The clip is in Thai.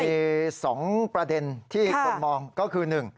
มันมีสองประเด็นที่คนมองก็คือ